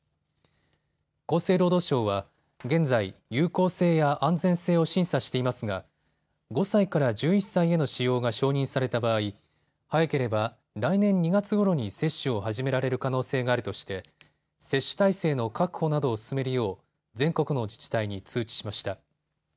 厚生労働省は現在、有効性や安全性を審査していますが５歳から１１歳への使用が承認された場合、早ければ来年２月ごろに接種を始められる可能性があるとして接種体制の確保などを進めるよう全国の自治体に通知しました。